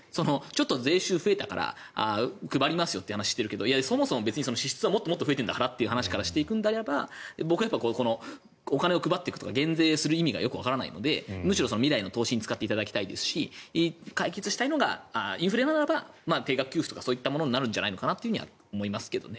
税収が増えたから配りますよという話をしてますがそもそも別に支出はもっと増えているんだからという話からしていくのであれば僕はお金を配っていくとか減税する意味がよくわからないのでむしろ未来への投資に使っていただきたいですし解決したいのがインフレならば定額給付という話になるんじゃないかと思いますけどね。